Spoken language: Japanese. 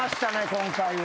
今回は。